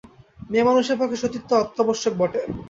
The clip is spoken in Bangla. মেয়েমানুষের পক্ষে সতীত্ব অত্যাবশ্যক বটে।